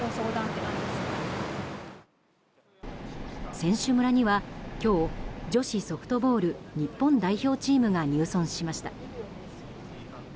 選手村には今日女子ソフトボール日本代表チームが入村しました。